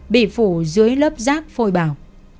bị phủ dưới lớp rác phôi bào